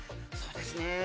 そうですね